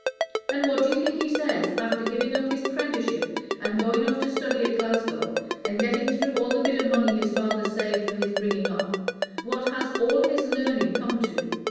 And what do you think he says, after giving up his 'prenticeship, and going off to study at Glasgow, and getting through all the bit of money his father saved for his bringing up what has all his learning come to?